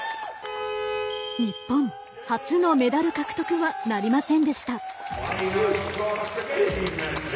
日本、初のメダル獲得はなりませんでした。